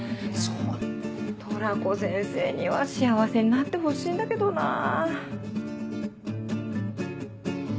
トラコ先生には幸せになってほしいんだけどなぁ。